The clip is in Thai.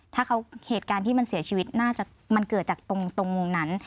ถ้าเขาเหตุการณ์ที่มันเสียชีวิตน่าจะมันเกิดจากตรงมุมนั้น